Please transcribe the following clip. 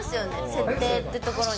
設定っていうところに。